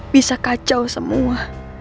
bisa kacau semua